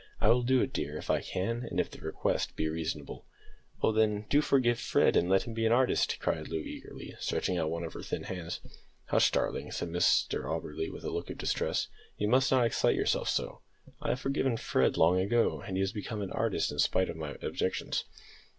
"I will do it, dear, if I can, and if the request be reasonable." "Oh, then, do forgive Fred, and let him be an artist!" cried Loo, eagerly stretching out one of her thin hands. "Hush, darling," said Mr Auberly, with a look of distress; "you must not excite yourself so. I have forgiven Fred long ago, and he has become an artist in spite of my objections."